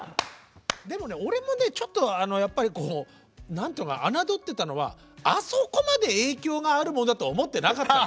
でもね俺もねちょっとやっぱりこう侮ってたのはあそこまで影響があるものだとは思ってなかったの。